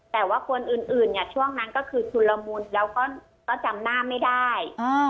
แต่ว่าคนอื่นเนี่ยช่วงนั้นก็คือชุนละมุนแล้วก็จำหน้าไม่ได้